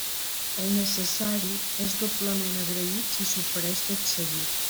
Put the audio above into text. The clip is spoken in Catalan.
El necessari és doblement agraït si s’ofereix tot seguit.